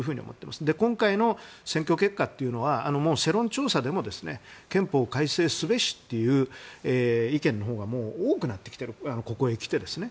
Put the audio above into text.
今回の選挙結果というのは世論調査でも憲法を改正すべしという意見のほうが多くなってきているここへ来て。